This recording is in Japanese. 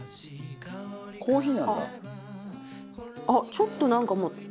あっちょっとなんかもう。